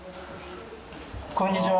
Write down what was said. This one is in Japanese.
こんにちは。